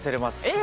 え！